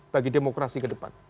bagi demokrasi kedepan